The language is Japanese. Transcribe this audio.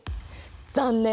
残念！